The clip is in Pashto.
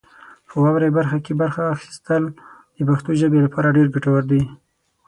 په واورئ برخه کې برخه اخیستل د پښتو ژبې لپاره ډېر ګټور دي.